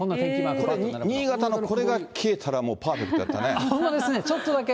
これ、新潟のこれが消えたら、パーフェクトだったね。